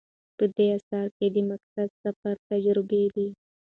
په دې اثر کې د مقدس سفر تجربې دي.